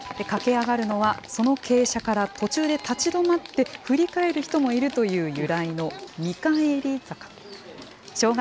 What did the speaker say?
駆け上がるのは、その傾斜から途中で立ち止まって振り返る人もいるという由来の見返り坂。